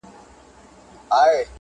لیونتوب نه مې لاس وانخیست